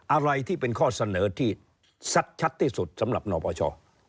อะไรที่เป็นข้อเสนอที่ชัดที่สุดสำหรับนปช